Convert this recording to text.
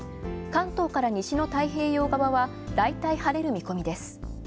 関東から西の太平洋側はだいたい晴れる見込みです。